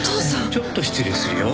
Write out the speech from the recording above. ちょっと失礼するよ。